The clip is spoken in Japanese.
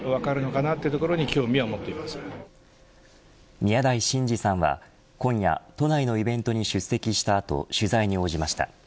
宮台真司さんは、今夜都内のイベントに出席した後取材に応じました。